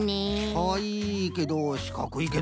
かわいいけどしかくいけどな。